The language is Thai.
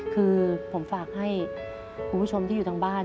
คือผมฝากให้คุณผู้ชมที่อยู่ทางบ้าน